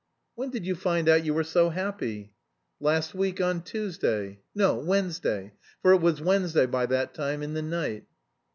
"When did you find out you were so happy?" "Last week, on Tuesday, no, Wednesday, for it was Wednesday by that time, in the night."